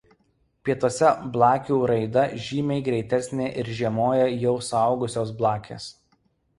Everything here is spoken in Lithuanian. Pietuose blakių raida žymiai greitesnė ir žiemoja jau suaugusios blakės.